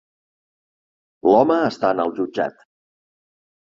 L'home està en el jutjat.